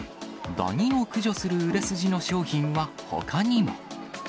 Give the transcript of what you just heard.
ダニを駆除する売れ筋の商品はほかにも。